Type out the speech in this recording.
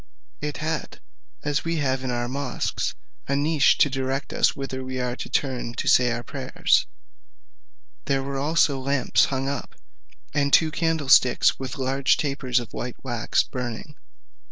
It had, as we have in our mosques, a niche, to direct us whither we are to turn to say our prayers: there were also lamps hung up, and two candlesticks with large tapers of white wax burning.